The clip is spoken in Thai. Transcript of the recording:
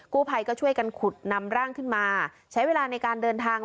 กู้ภัยก็ช่วยกันขุดนำร่างขึ้นมาใช้เวลาในการเดินทาง